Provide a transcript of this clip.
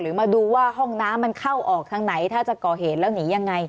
มาดูว่าห้องน้ำมันเข้าออกทางไหนถ้าจะก่อเหตุแล้วหนียังไง